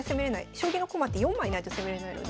将棋の駒って４枚ないと攻めれないので。